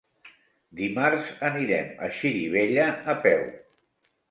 Dimarts anirem a Xirivella a peu.